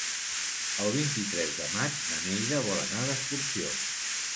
El vint-i-tres de maig na Neida vol anar d'excursió.